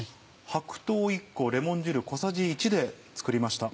白桃１個レモン汁小さじ１で作りました。